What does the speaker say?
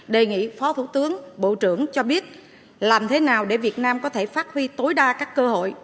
đề nghị phó thủ tướng bộ trưởng cho biết làm thế nào để việt nam có thể phát huy tối đa các cơ hội